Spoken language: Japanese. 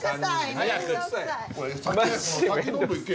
早く。